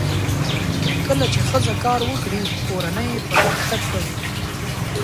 کله چې ښځه کار وکړي، کورنۍ پرمختګ کوي.